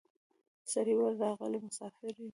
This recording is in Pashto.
سړي وویل راغلی مسافر یم